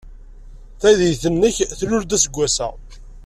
Taydit-nnek tlul aseggas-a.